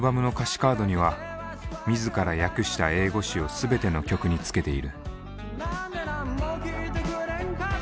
カードには自ら訳した英語詞を全ての曲につけている。